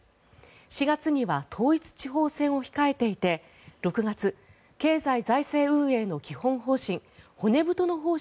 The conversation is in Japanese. ４月には統一地方選を控えていて６月、経済財政運営の基本方針